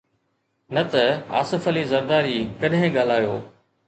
نه ته آصف علي زرداري ڪڏهن ڳالهايو.